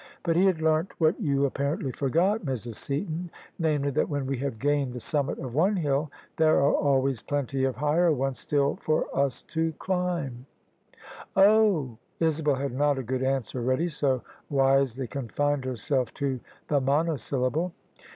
But he had learnt what you apparently forget, Mrs. Seaton; namely, that when we have gained the summit of one hill, there are always plenty of higher ones still for us to climb." " Oh !" Isabel had not a good answer ready, so wisely confined herself to the monosyllable.